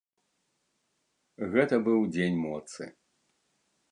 Гэта быў дзень моцы.